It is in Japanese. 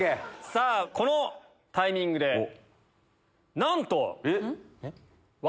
さぁこのタイミングでなんと！